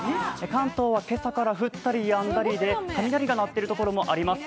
関東は今朝から降ったりやんだりで雷が鳴っているところもあります。